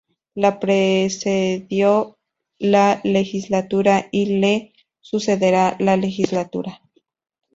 Le precedió la legislatura y le sucederá la legislatura.